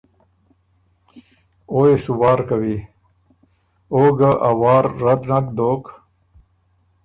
او يې سُو وار کوی۔ او ګۀ ا وار رد نک دوک